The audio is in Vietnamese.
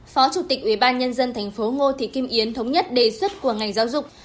phó chủ tịch ủy ban nhân dân thành phố ngô thị kim yến thống nhất đề xuất của ngành giáo dục